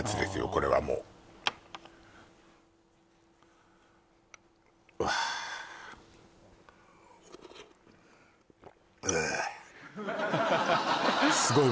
これはもうわああすごい